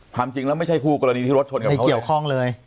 ความจริงแล้วไม่ใช่คู่กรณีที่รถชนกันไม่เกี่ยวข้องเลย